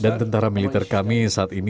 tentara militer kami saat ini